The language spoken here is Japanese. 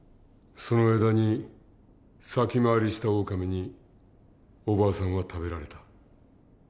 その間に先回りしたオオカミにおばあさんは食べられた。